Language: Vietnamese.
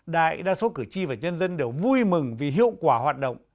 đại đa số cử tri và nhân dân đều vui mừng vì hiệu quả hoạt động